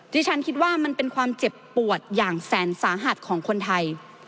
ที่ฉันคิดว่ามันเป็นความเจ็บปวดอย่างแสนสาหัสของคนไทย